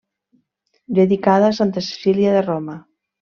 Dedicada a Santa Cecília de Roma.